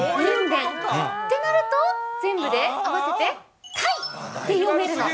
イを、人偏、ってなると、全部で合わせてタイって読めるの。